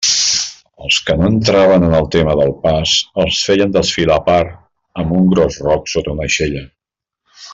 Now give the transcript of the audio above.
Els que no entraven en el tema del pas els feien desfilar a part amb un gros roc sota una aixella.